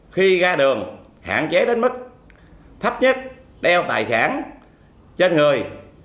khi ra đường hạn chế đến mức thấp nhất đeo tài sản trên người